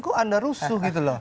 kok anda rusuh gitu loh